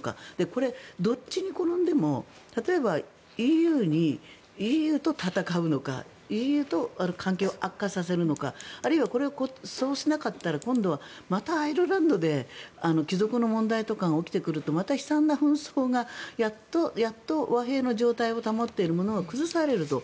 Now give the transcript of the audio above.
これはどっちに転んでも例えばＥＵと戦うのかＥＵと関係を悪化させるのかあるいはこれをそうしなかったら今度、またアイルランドで帰属の問題とかが起きてくるとまた悲惨な紛争がやっと和平の状態を保っているものが崩されると。